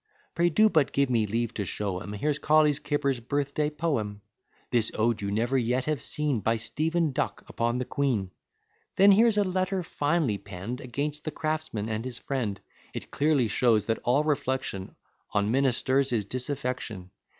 Pray do but give me leave to show 'em; Here's Colley Cibber's birth day poem. This ode you never yet have seen, By Stephen Duck, upon the queen. Then here's a letter finely penned Against the Craftsman and his friend: It clearly shows that all reflection On ministers is disaffection.